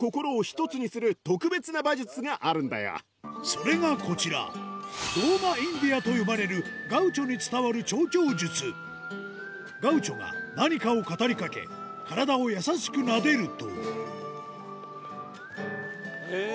それがこちらと呼ばれるガウチョに伝わる調教術ガウチョが何かを語りかけ体を優しくなでるとえぇ！